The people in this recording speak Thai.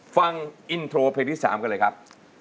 ฟังอินโทรเพลงที่๓กันเลยครับ